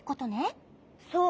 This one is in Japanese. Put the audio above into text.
そう。